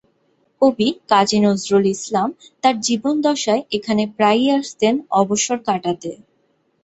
কবি কাজী নজরুল ইসলাম তার জীবদ্দশায় এখানে প্রায়ই আসতেন অবসর কাটাতে।